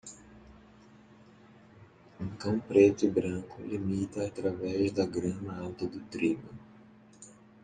Um cão preto e branco limita através da grama alta do trigo.